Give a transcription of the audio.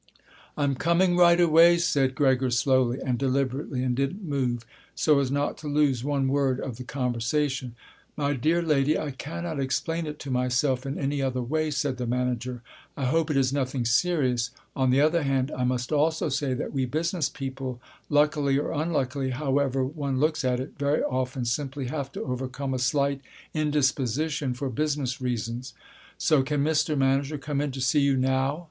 "I'm coming right away," said Gregor slowly and deliberately and didn't move, so as not to lose one word of the conversation. "My dear lady, I cannot explain it to myself in any other way," said the manager; "I hope it is nothing serious. On the other hand, I must also say that we business people, luckily or unluckily, however one looks at it, very often simply have to overcome a slight indisposition for business reasons." "So can Mr. Manager come in to see you now?"